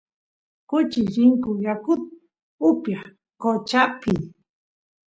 kuchis rinku yakut upyaq qochapi